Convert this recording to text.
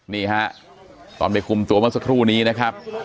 นี่ฮะตอนไปคุมตัวเมื่อสักครู่นี้นะครับ